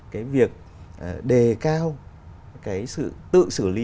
cái việc đề cao cái sự tự xử lý